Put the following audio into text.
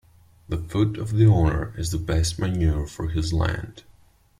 The foot of the owner is the best manure for his land.